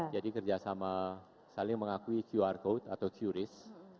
jadi kerjasama saling mengakui qr code atau qris